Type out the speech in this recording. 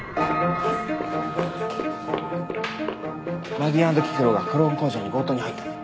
マギー＆キケロがクローン工場に強盗に入ったって。